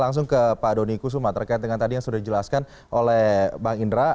langsung ke pak doniku sumaterka yang tadi sudah dijelaskan oleh bang indra